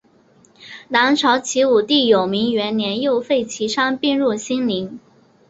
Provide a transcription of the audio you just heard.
南朝齐武帝永明元年又废齐昌并入兴宁。